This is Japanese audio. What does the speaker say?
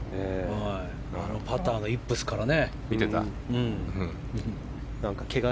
パターのイップスからね。